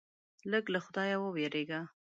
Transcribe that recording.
لږ له خدایه ووېرېږه.